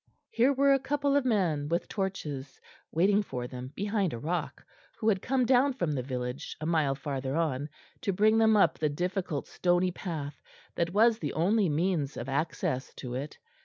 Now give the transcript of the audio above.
Here were a couple of men with torches, waiting for them behind a rock, who had come down from the village, a mile farther on, to bring them up the difficult stony path that was the only means of access to it.